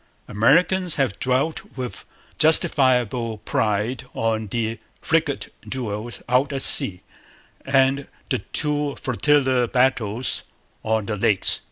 Americans have dwelt with justifiable pride on the frigate duels out at sea and the two flotilla battles on the Lakes.